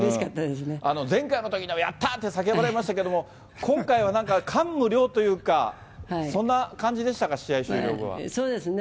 前回のときにもやったー！って叫ばれましたけど、今回はなんか感無量というか、そんな感じそうですね。